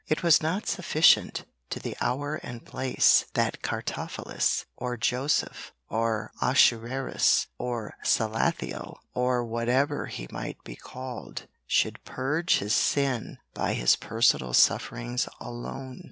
It was not sufficient to the hour and place that Cartaphilus or Joseph or Ahasuerus, or Salathiel or whatever he might be called should purge his sin by his personal sufferings alone.